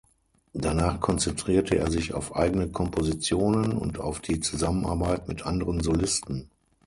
Danach konzentrierte er sich auf eigene Kompositionen und auf die Zusammenarbeit mit anderen Solisten.